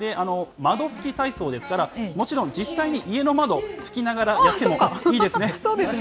窓拭き体操ですから、もちろん、実際に家の窓を拭きながらやってもいいですね。